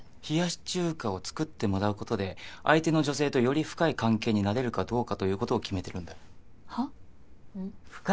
冷やし中華を作ってもらうことで相手の女性とより深い関係になれるかどうかということを決めているんだ。